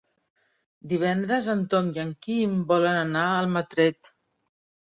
Divendres en Tom i en Quim volen anar a Almatret.